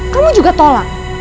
kamu juga tolak